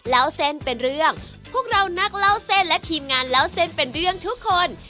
แล้วเส้นเป็นเรื่องพวกเรานักเล่าเส้นและทีมงานเล่าเส้นเป็นเรื่องทุกคน